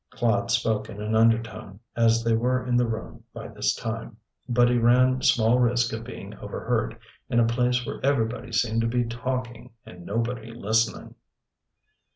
Claude spoke in an undertone, as they were in the room by this time, but he ran small risk of being overheard in a place where everybody seemed to be talking and nobody listening.